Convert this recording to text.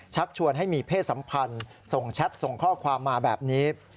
ชวนให้มีเพศสัมพันธ์ส่งแชทส่งข้อความมาแบบนี้